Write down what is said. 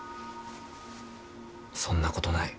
そんなことない。